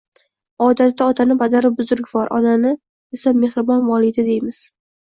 Odatda otani “Padari buzrukvor”, onani esa “Mehribon volida” deymiz